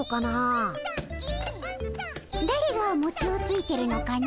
だれがもちをついてるのかの？